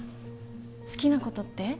好きなことって？